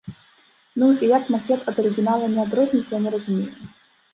Ну, і як макет ад арыгінала не адрозніць, я не разумею.